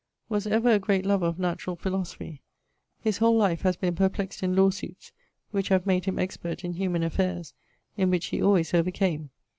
Was ever a great lover of Naturall Philosophie. His whole life has been perplex't in lawe suites, (which haz made him expert in humane affaires), in which he alwaies over came.